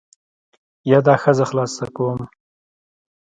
یا دا ښځه خلاصه کوم.